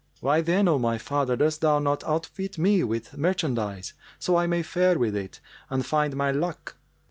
Why, then, O my father, dost thou not outfit me with merchandise, so I may fare with it and find my luck?"